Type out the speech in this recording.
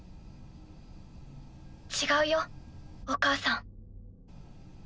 違うよお母さん。